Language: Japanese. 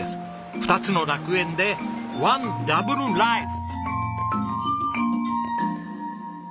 ２つの楽園でワンダブルライフ！